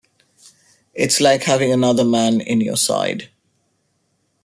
It's like having another man in your side.